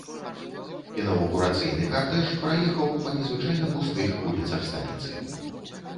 Інаўгурацыйны картэж праехаў па незвычайна пустых вуліцах сталіцы.